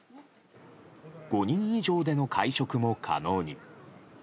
５人以上での会食も可能に。